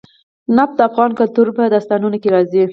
نفت د افغان کلتور په داستانونو کې راځي.